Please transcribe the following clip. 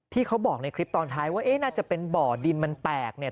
ที่เขาบอกในคลิปตอนท้ายว่าเอ๊ะน่าจะเป็นบ่อดินมันแตกเนี่ย